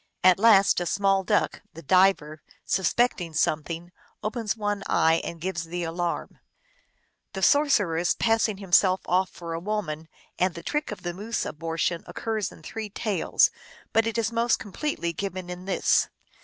At last a small duck, the diver, suspecting something, opens one eye, and gives the alarm. The sorcerer s passing himself off for a woman and the trick of the moose abortion occurs in three tales, but it is most completely given in this.